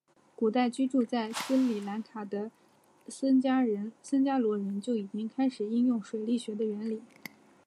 古代居住在斯里兰卡的僧伽罗人就已经开始应用水力学的原理。